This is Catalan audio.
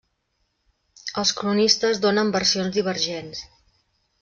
Els cronistes donen versions divergents.